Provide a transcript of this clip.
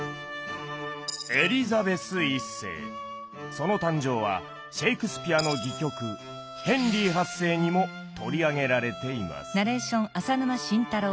その誕生はシェイクスピアの戯曲「ヘンリー８世」にも取り上げられています。